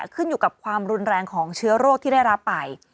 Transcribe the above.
ขึ้นอยู่กับความรุนแรงของเชื้อโรคที่ได้รับไป